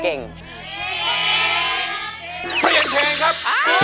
เปลี่ยนเพลงครับ